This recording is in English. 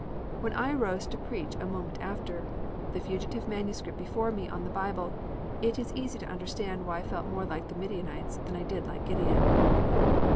When I arose to preach a moment after, the fugitive manuscript before me on the Bible, it is easy to understand why I felt more like the Midianites than I did like Gideon.